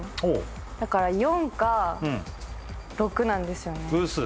だから４か６なんですよね偶数？